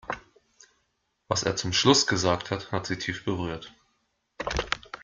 Was er zum Schluss gesagt hat, hat sie tief berührt.